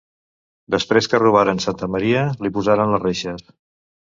Després que robaren Santa Maria li posaren les reixes.